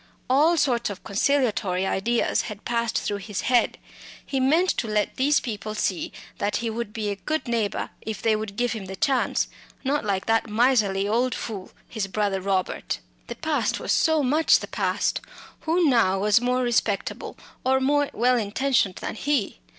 All sorts of conciliatory ideas had passed through his head. He meant to let people see that he would be a good neighbour if they would give him the chance not like that miserly fool, his brother Robert. The past was so much past; who now was more respectable or more well intentioned than he?